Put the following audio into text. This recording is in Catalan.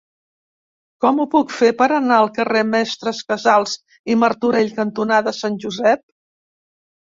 Com ho puc fer per anar al carrer Mestres Casals i Martorell cantonada Sant Josep?